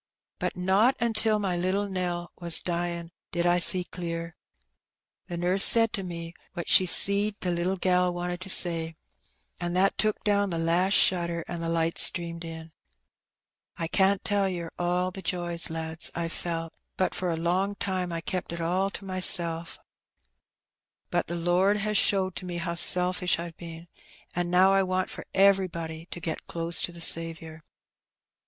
But not until my little Nell was dyin' did I see clear. The nurse said to me what she seed the little gal wanted to say, an' that took down the last shutter, an' the light streamed in. I can't tell yer all the joys, lads, I've felt, but for a long time I kept it all to mysel'. But the Lord has showed to me how selfish I've been, an' now I want for everybody to get close to the Saviour."